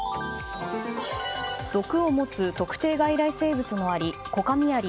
毒を持つ特定外来生物のアリコカミアリ